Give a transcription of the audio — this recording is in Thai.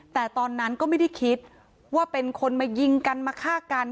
แต่ตอนนั้นก็ไม่ได้คิดว่าเป็นคนมายิงกันมาฆ่ากัน